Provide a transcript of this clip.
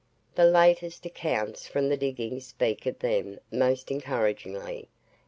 The latest accounts from the diggings speak of them most encouragingly.